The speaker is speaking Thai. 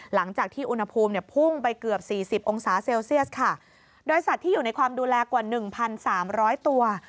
หลังจากที่อุณหภูมิพุ่งไปเกือบ๔๐องศาเซลเซียสค่ะ